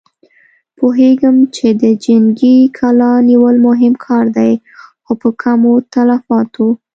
پوهېږم چې د جنګي کلا نيول مهم کار دی، خو په کمو تلفاتو.